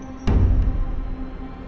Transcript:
janghas enggun dear